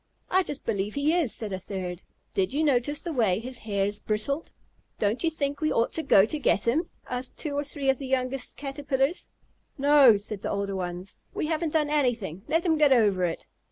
"I just believe he is," said a third. "Did you notice the way his hairs bristled?" "Don't you think we ought to go to get him?" asked two or three of the youngest Caterpillars. "No," said the older ones. "We haven't done anything. Let him get over it."